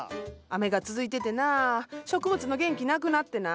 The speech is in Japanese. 雨が続いててな植物の元気なくなってな。